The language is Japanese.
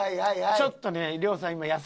ちょっとね。